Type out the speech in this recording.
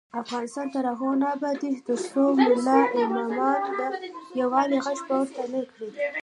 افغانستان تر هغو نه ابادیږي، ترڅو ملا امامان د یووالي غږ پورته نکړي.